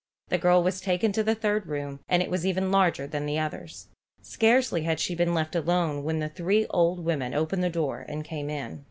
The girl was taken to the third room and it was even larger than the others. Scarcely had she been left alone when the three old women opened the door and came in.